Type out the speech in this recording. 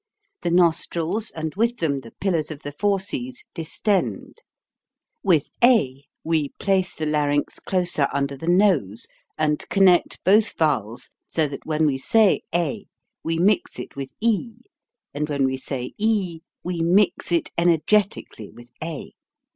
The nostrils and with them the pillars of the fauces distend. |With a we place the larynx closer under the nose and connect both vowels so that when we say a we mix it with e and when we say e we mix it energetically with a.